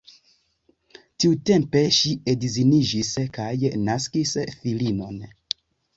Tiutempe ŝi edziniĝis kaj naskis filinon.